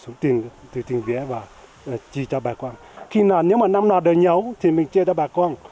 số tiền từ tỉnh ghé và chi cho bà con khi nào nếu mà năm nào đời nhấu thì mình chia cho bà con